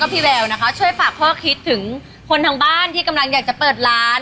ก็คิดถึงคนทางบ้านที่กำลังอยากจะเปิดร้าน